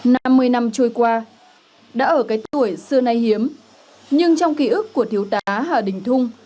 năm mươi năm trôi qua đã ở cái tuổi xưa nay hiếm nhưng trong ký ức của thiếu tá hà đình thung